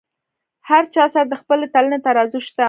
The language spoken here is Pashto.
هر چا سره د خپلې تلنې ترازو شته.